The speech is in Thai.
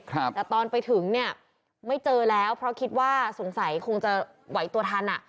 แต่ตอนไปถึงเนี่ยไม่เจอแล้วเพราะคิดว่าสงสัยคงจะไหวตัวทันอ่ะ